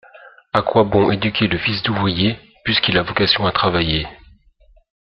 A quoi bon éduquer le fils d'ouvrier, puisqu'il a vocation à travailler